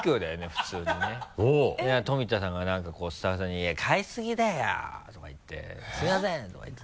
普通にねで富田さんが何かこうスタッフさんに「いや買いすぎだよ」とか言って「すみません」とか言って。